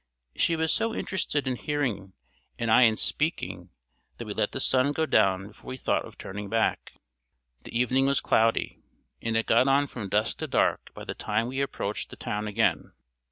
She was so interested in hearing and I in speaking that we let the sun go down before we thought of turning back. The evening was cloudy, and it got on from dusk to dark by the time we approached the town again.